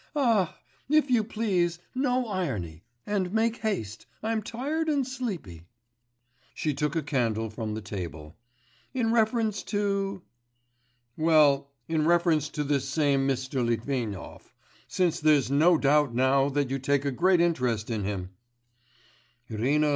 'Ah, if you please, no irony, and make haste. I'm tired and sleepy.' She took a candle from the table. 'In reference to ?' 'Well, in reference to this same Mr. Litvinov; since there's no doubt now that you take a great interest in him.